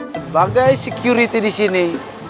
sebagai security disini